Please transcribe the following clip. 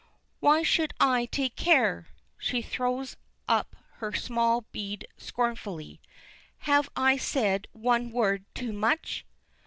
"Why should I take care?" She throws up her small bead scornfully. "Have I said one word too much?"?